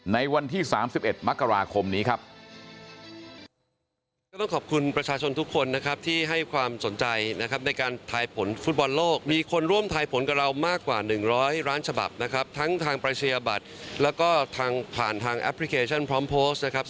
ในวันที่สามสิบเอ็ดมกราคมนี้ครับ